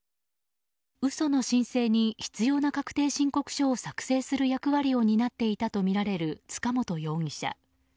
嘘の申請に必要な確定申告書を作成する役割を担っていたとみられる塚本容疑者。